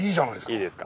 いいですか？